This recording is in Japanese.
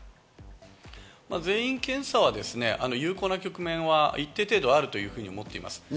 全員検査はですね、有効な局面は一定程度あると思っています。